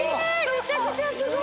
めちゃくちゃすごい！